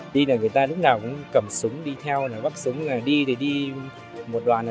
đi là người ta lúc nào cũng cầm súng đi theo là bắt súng là đi để đi một đoàn là